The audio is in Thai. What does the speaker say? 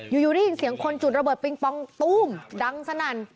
มีเสียงคนจุดระเบิดปริงปองตู้มดังสนั่น